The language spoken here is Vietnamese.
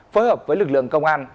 phối hợp với lực lượng công an